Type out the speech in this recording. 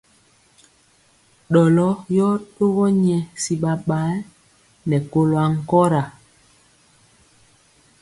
Ɗɔlɔ yɔ ɗogɔ nyɛ si ɓaɓayɛ nɛ kolɔ ankɔra.